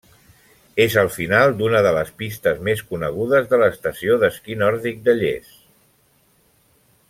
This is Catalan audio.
És al final d'una de les pistes més conegudes de l'Estació d'esquí nòrdic de Lles.